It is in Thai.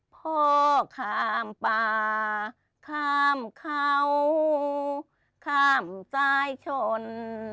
พ่อข้ามป่าข้ามเขาข้ามซ้ายชน